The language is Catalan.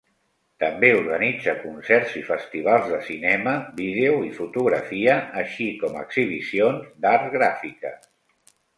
També organitza concerts i festivals de cinema, vídeo i fotografia, així com exhibicions d'art gràfiques.